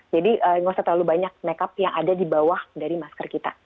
jadi nggak usah terlalu banyak makeup yang ada di bawah dari masker kita